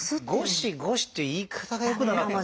ゴシゴシという言い方がよくなかったんですね。